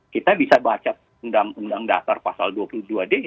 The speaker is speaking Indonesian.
kita bisa baca undang undang dasar pasal dua puluh dua d